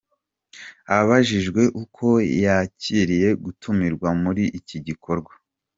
Abajijwe uko yakiriye gutumirwa muri iki gikorwa.